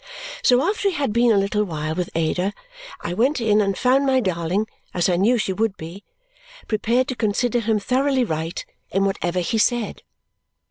So after he had been a little while with Ada, I went in and found my darling (as I knew she would be) prepared to consider him thoroughly right in whatever he said.